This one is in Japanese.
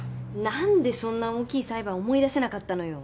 何でそんな大きい裁判思い出せなかったのよ。